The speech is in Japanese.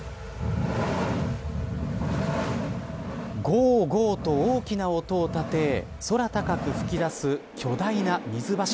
ごうごうと大きな音を立て空高く噴き出す巨大な水柱。